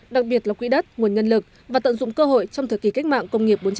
đặc biệt là quỹ đất nguồn nhân lực và tận dụng cơ hội trong thời kỳ cách mạng công nghiệp bốn